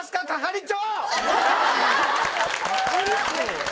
係長！